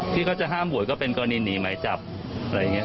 ที่เขาจะห้ามบวชก็เป็นกรณีหนีหมายจับอะไรอย่างนี้